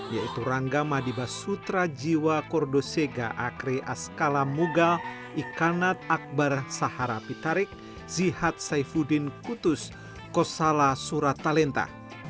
yaitu rangga madiba sutrajiwa kordosega akri askalam muga ikanat akbar sahara pitarik zihat saifuddin kutus kosala suratalenta